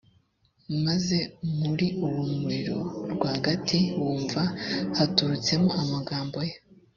maze muri uwo muriro rwagati wumva haturutsemo amagambo ye.